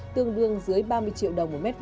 tương đương dưới ba mươi triệu đồng một m hai